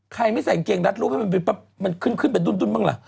ใครไม่ใส่เกงรัดรูปให้มันขึ้นไปดุ้นบ้างเหรอ